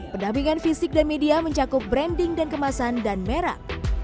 pendampingan fisik dan media mencakup branding dan kemasan dan merek